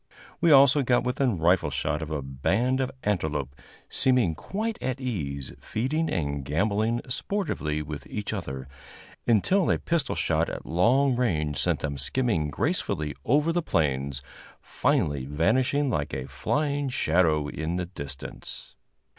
We also got within rifle shot of a band of antelope, seeming quite at ease, feeding and gamboling sportively with each other, until a pistol shot at long range sent them skimming gracefully over the plains, finally vanishing like a flying shadow in the distance.